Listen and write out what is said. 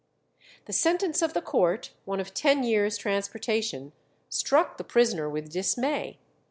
The sentence of the court, one of ten years' transportation, struck the prisoner with dismay.